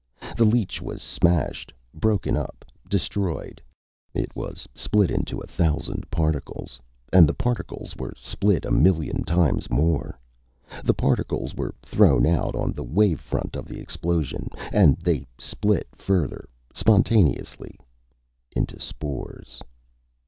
The leech was smashed, broken up, destroyed. It was split into a thousand particles, and the particles were split a million times more. The particles were thrown out on the wave front of the explosion, and they split further, spontaneously. Into spores.